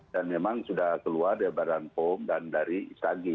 dan memang sudah keluar dari badan pom dan dari tagi